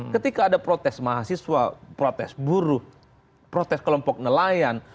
ketika ada protes mahasiswa protes buruh protes kelompok nelayan